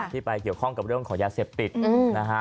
ไปเกี่ยวข้องกับเรื่องของยาเสพติดนะฮะ